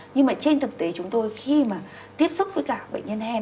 nhưng mà trên thực tế chúng tôi khi mà tiếp xúc với cả bệnh nhân hen